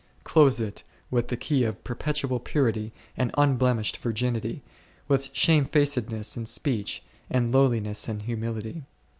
Close it with the key of perpetual purity and unblemished virginity, with shamefacedness in speech, with lowli ness and humility.